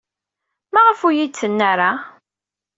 Maɣef ur iyi-d-tenni ara?